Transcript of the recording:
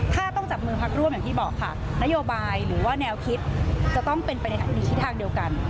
ถ้าต้องจับมือพักร่วมอย่างที่บอกค่ะนโยบายหรือว่าแนวคิดจะต้องเป็นไปในทิศทางเดียวกัน